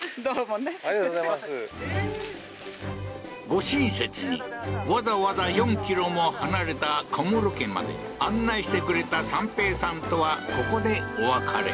ご親切に、わざわざ４キロも離れた小室家まで案内してくれた三瓶さんとは、ここでお別れ。